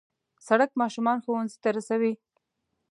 سړک ماشومان ښوونځي ته رسوي.